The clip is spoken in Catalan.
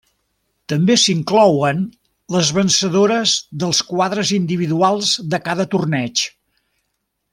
També s'inclouen les vencedores dels quadres individuals de cada torneig.